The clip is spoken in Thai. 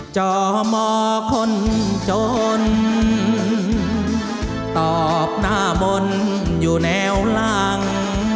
จอมอคนจนตอบหน้ามนต์อยู่แนวหลัง